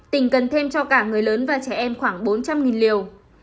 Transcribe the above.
tỉnh cần thêm cho cả người lớn và trẻ em khoảng bốn trăm linh liều